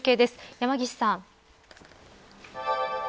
山岸さん。